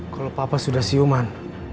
kalo papa sudah siuman